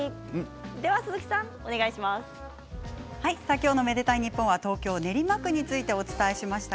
今日の「愛でたいｎｉｐｐｏｎ」は東京・練馬区についてお伝えしました。